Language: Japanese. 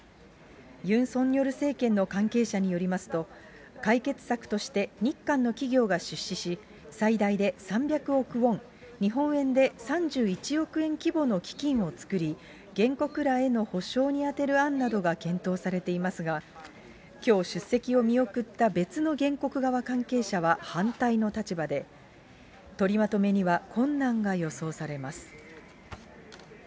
ユン・ソンニョル政権の関係者によりますと、解決策として日韓の企業が出資し、最大で３００億ウォン、日本円で３１億円規模の基金を作り、原告らへの補償に充てる案などが検討されていますが、きょう出席を見送った別の原告側関係者は反対の立場で、取りまとめには困難が予想されます。